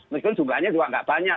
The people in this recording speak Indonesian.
meskipun jumlahnya juga nggak banyak